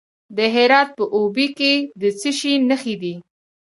د هرات په اوبې کې د څه شي نښې دي؟